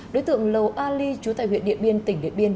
đối tượng lầu ali chú tại huyện điện biên tỉnh điện biên